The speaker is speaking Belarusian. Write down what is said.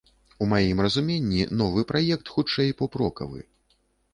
У маім разуменні, новы праект, хутчэй, поп-рокавы.